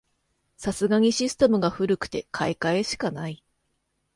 さすがにシステムが古くて買い替えしかない